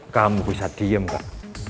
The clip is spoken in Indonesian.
kamu bisa diem kak